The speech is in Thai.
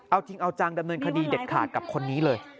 เอาจริงเอาจังดำเนินคดีเด็ดขาดกับคนนี้เลย